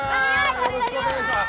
よろしくお願いします。